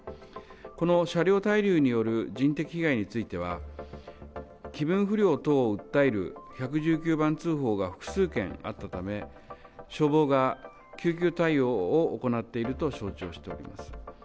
この車両滞留による人的被害については、気分不良等を訴える１１９番通報が複数件あったため、消防が救急対応を行っていると承知をしております。